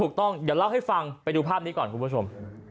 ถูกต้องเดี๋ยวเล่าให้ฟังไปดูภาพนี้ก่อนคุณผู้ชม